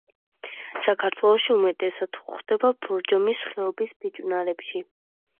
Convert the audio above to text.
საქართველოში უმეტესად გვხვდება ბორჯომის ხეობის ფიჭვნარებში.